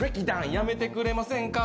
やめてくれませんか。